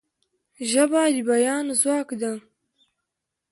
ژبه د بیان ځواک ده.